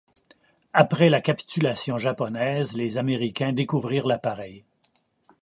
Après la capitulation japonaise, les Américains découvrirent l’appareil.